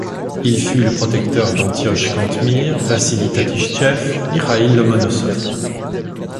Il fut le protecteur d’Antioche Cantemir, Vassili Tatichtchev, Mikhaïl Lomonossov.